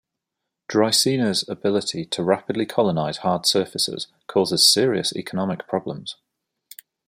"Dreissena"'s ability to rapidly colonize hard surfaces causes serious economic problems.